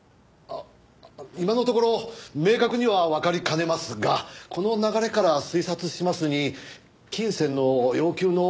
今のところ明確にはわかりかねますがこの流れから推察しますに金銭の要求の可能性のその。